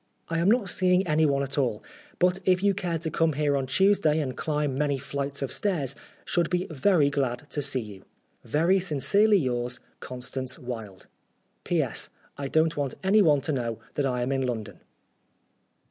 " I am not seeing anyone at all ; but if you cared to come here on Tuesday and climb many flights of stairs, should be very glad to see you. Very sincerely yours, "CONSTANCE WILDE." " I don't want anyone to know that I am in London."